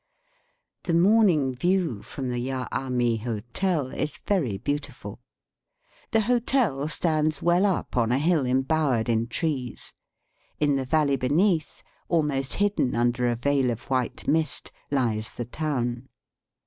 The morning view from the Yaami Hotel is very beautiful. The hotel stands well up on a hUl embowered in trees. In the valley beneath, almost hidden under a veil of white mist, lies the town.